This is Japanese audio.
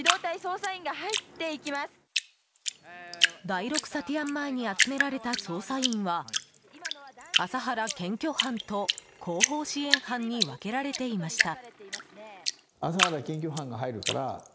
第６サティアン前に集められた捜査員は麻原検挙班と後方支援班に分けられていました。